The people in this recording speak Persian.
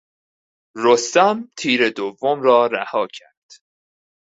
رستم تیر دوم را رها کرد.